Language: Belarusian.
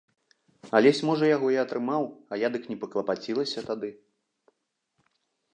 Алесь можа яго і атрымаў, а я дык не паклапацілася тады.